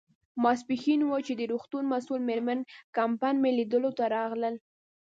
ماپیښین و، چې د روغتون مسؤله مېرمن کمپن مې لیدو ته راغلل.